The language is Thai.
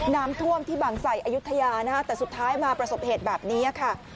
น้ำท่วมที่บางใส่อายุทยานะฮะแต่สุดท้ายมาประสบเหตุแบบนี้ค่ะ